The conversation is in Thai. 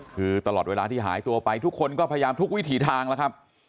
คือตลอดเวลาที่หายตัวไปทุกคนก็พยายามทุกวิถีทางแล้วครับ